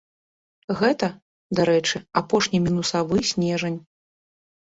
Гэта, дарэчы, апошні мінусавы снежань.